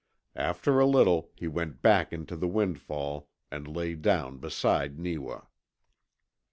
After a little he went back into the windfall and lay down beside Neewa.